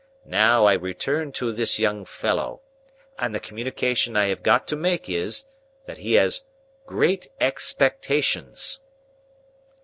"Now, I return to this young fellow. And the communication I have got to make is, that he has great expectations."